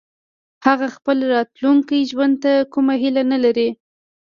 هغه خپل راتلونکي ژوند ته کومه هيله نه لري